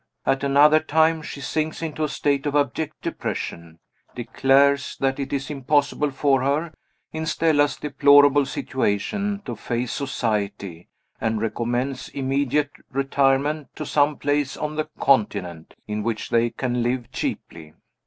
At another time she sinks into a state of abject depression; declares that it is impossible for her, in Stella's deplorable situation, to face society; and recommends immediate retirement to some place on the Continent in which they can live cheaply.